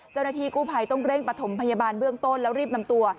เจ้าหน้าที่กู้ภัยต้องเร่งประถมพยาบาลเบื้องต้นแล้วรีบนำตัว